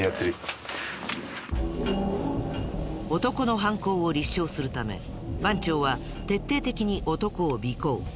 男の犯行を立証するため番長は徹底的に男を尾行。